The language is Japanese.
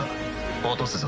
墜とすぞ。